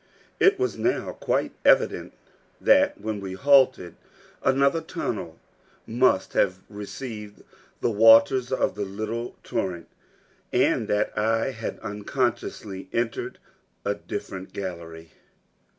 It was now quite evident that when we halted, another tunnel must have received the waters of the little torrent, and that I had unconsciously entered a different gallery.